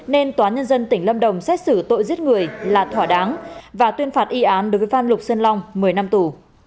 nên tòa nhân dân tỉnh lâm đồng xét xử tội giết người là thỏa đáng và tuyên phạt y án đối với phan lục sơn long một mươi năm tù